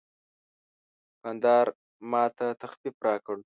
دوکاندار ماته تخفیف راکړ.